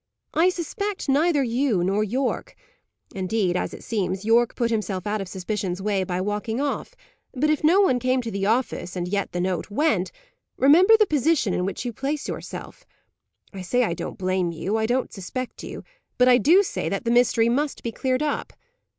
"I suspect neither you nor Yorke; indeed, as it seems, Yorke put himself out of suspicion's way, by walking off; but if no one came to the office, and yet the note went, remember the position in which you place yourself. I say I don't blame you, I don't suspect you; but I do say that the mystery must be cleared up.